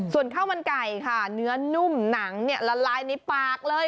ส่วนข้าวมันไก่ค่ะเนื้อนุ่มหนังเนี่ยละลายในปากเลย